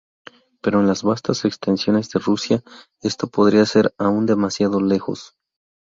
Pero en las vastas extensiones de Rusia, esto podría ser aún demasiado lejos.